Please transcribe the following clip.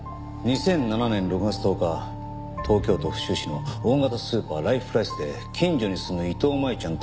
２００７年６月１０日東京都府中市の大型スーパーライフプライスで近所に住む伊藤舞ちゃん